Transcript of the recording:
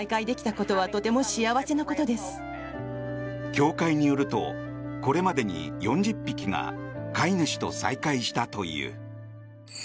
協会によるとこれまでに４０匹が飼い主と再会したという。